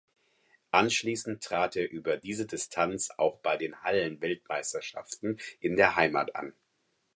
Anschließend trat er über diese Distanz auch bei den Hallenweltmeisterschaften in der Heimat an.